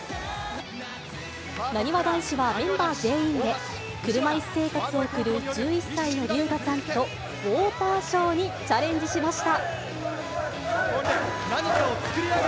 なにわ男子はメンバー全員で車いす生活を送る１１歳の龍芽さんと、ウォーターショーにチャレンジしました。